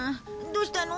どうしたの？